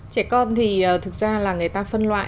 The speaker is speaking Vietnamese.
trẻ con thì thực ra là người ta phân loại